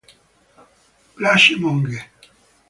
Place Monge